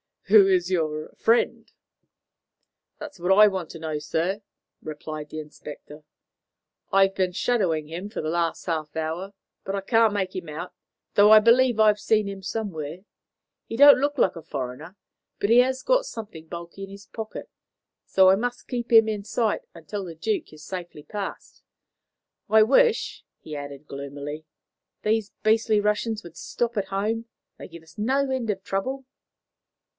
"Who is your friend?" "That's what I want to know, sir," replied the inspector. "I've been shadowing him for the last half hour, but I can't make him out, though I believe I've seen him somewhere. He don't look like a foreigner, but he has got something bulky in his pocket, so I must keep him in sight until the Duke is safely past. I wish," he added gloomily, "these beastly Russians would stop at home. They give us no end of trouble."